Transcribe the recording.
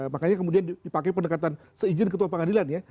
makanya kemudian dipakai pendekatan seizin ketua pengadilan ya